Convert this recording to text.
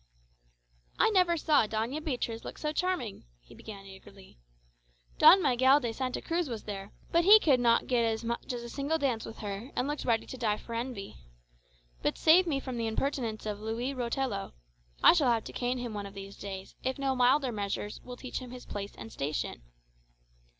"I never saw Doña Beatriz look so charming," he began eagerly. "Don Miguel de Santa Cruz was there, but he could not get no much as a single dance with her, and looked ready to die for envy. But save me from the impertinence of Luis Rotelo! I shall have to cane him one of these days, if no milder measures will teach him his place and station.